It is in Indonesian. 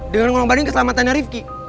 dengan ngurang ngurang keselamatan rifqi